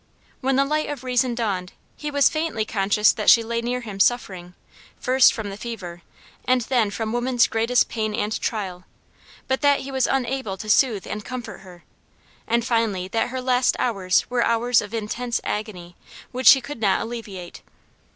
When the light of reason dawned he was faintly conscious that she lay near him suffering, first from the fever, and then from woman's greatest pain and trial, but that he was unable to soothe and comfort her; and finally that her last hours were hours of intense agony, which he could not alleviate.